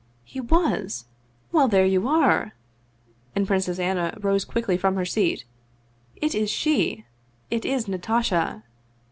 " He was ? Well, there you are !" and Princess Anna rose quickly from her seat. " It is she it is Natasha